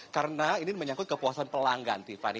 karena ini menyangkut kepuasan pelanggan tiffany